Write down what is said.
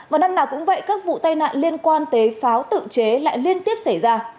và năm nào cũng vậy các vụ tai nạn liên quan tới pháo tự chế lại liên tiếp xảy ra